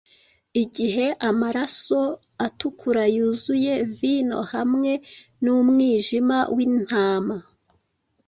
Igihe amaraso atukura yuzuye vino hamwe numwijima wintama